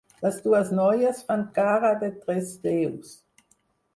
Les dues noies fan cara de tres déus.